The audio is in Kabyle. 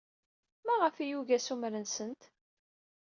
Maɣef ay yugi assumer-nsent?